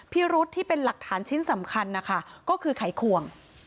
พิรุษที่เป็นหลักฐานชิ้นสำคัญนะคะก็คือไขควง